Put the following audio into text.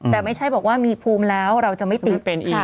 แต่ไม่ใช่บอกว่ามีภูมิแล้วเราจะไม่ติดค่ะ